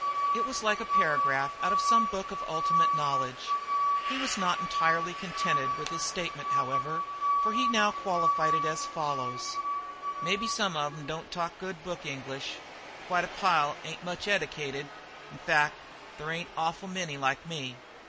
It was like a paragraph out of some book of ultimate knowledge. He was not entirely contented with his statement, however, for now he qualified it as follows: "Maybe some of 'em don't talk good book English. Quite a pile ain't had much eddication; in fact there ain't awful many like me.